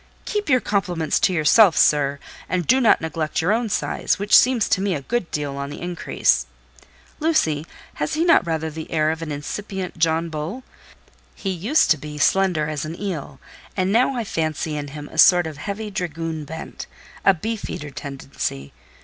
"Keep your compliments to yourself, sir, and do not neglect your own size: which seems to me a good deal on the increase. Lucy, has he not rather the air of an incipient John Bull? He used to be slender as an eel, and now I fancy in him a sort of heavy dragoon bent—a beef eater tendency.